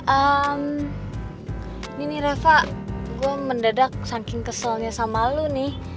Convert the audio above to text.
ehm ini nih reva gue mendadak saking keselnya sama lo nih